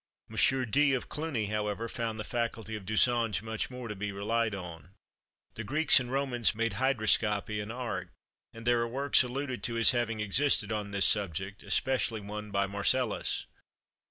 Monsieur D——, of Cluny, however, found the faculty of Dussange much more to be relied on. The Greeks and Romans made hydroscopy an art; and there are works alluded to as having existed on this subject, especially one by Marcellus.